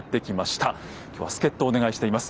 今日は助っ人をお願いしています。